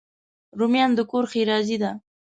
رومیان د کور ښېرازي ده